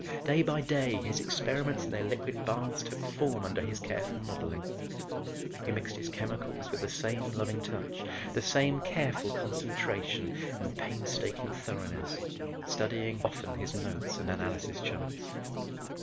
Day by day his experiments in their liquid baths took form under his careful modeling. He mixed his chemicals with the same loving touch, the same careful concentration and painstaking thoroughness, studying often his notes and analysis charts.